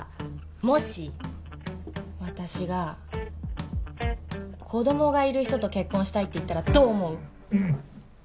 もし私が子供がいる人と結婚したいって言ったらどう思う？